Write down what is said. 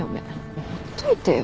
もうほっといてよ。